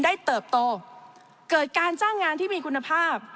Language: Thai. เติบโตเกิดการจ้างงานที่มีคุณภาพ